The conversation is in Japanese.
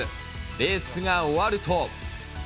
レースが終わると。